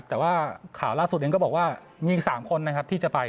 แต่ว่าข่าวล่าสุดเองก็บอกว่ามี๓คนที่จะไป